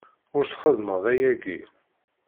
Ur txeddmeḍ ayagi!